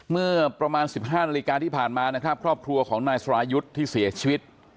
เมื่อประมาณ๑๕นาฬิกาที่ผ่านมานะครับครอบครัวของนายสรายุทธ์ที่เสียชีวิต